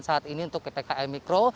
saat ini untuk ppkm mikro